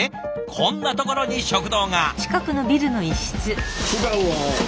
こんなところに食堂が。